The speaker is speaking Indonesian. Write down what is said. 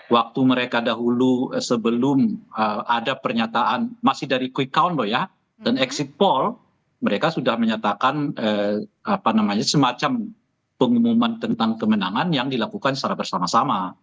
waktu mereka dahulu sebelum ada pernyataan masih dari quick count loh ya dan exit poll mereka sudah menyatakan semacam pengumuman tentang kemenangan yang dilakukan secara bersama sama